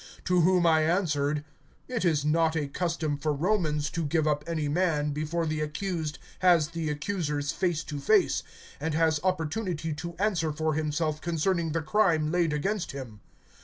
(16)To whom I answered: It is not a custom for Romans to give up any man, before the accused has the accusers face to face, and has opportunity to answer for himself concerning the crime laid against him.